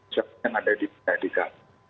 siapkan ada di dki